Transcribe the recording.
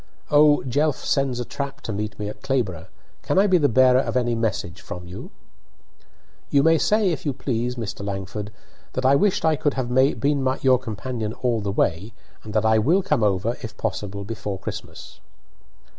'Oh, Jelf sends a trap to meet me at Clayborbough! Can I be the bearer of any message from you?" "You may say, if you please, Mr. Langford, that I wished I could have been your companion all the way, and that I will come over, if possible, before Christmas."